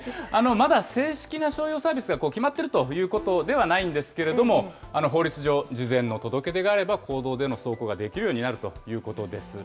まだ正式な商用サービスが決まっているということではないんですけれども、法律上、事前の届け出があれば公道での走行ができるようになるということです。